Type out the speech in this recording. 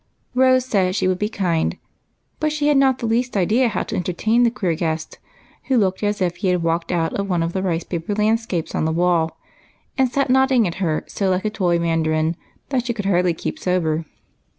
Rose said she would be kind ; but had not the least idea how to entertain the queer guest, who looked as if he had walked out of one of the rice paper landscapes on the wall, and sat nodding at her so like a toy Mandarin that she could hardly keep sober.